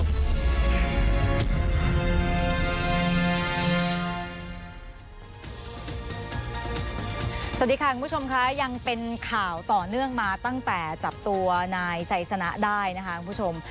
สวัสดีค่ะคุณผู้ชมค่ะยังเป็นข่าวต่อเนื่องมาตั้งแต่จับตัวนายไซสนะได้นะคะคุณผู้ชม